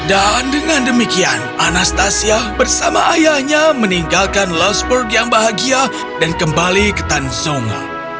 dan dengan demikian anastasia bersama ayahnya meninggalkan lost world yang bahagia dan kembali ke tanjakan